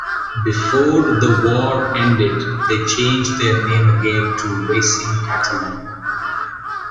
Before the war ended they changed their name again to Racing Catalan.